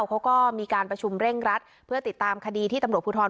เขาก็มีการประชุมเร่งรัดเพื่อติดตามคดีที่ตำรวจภูทร